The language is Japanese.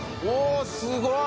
すごい！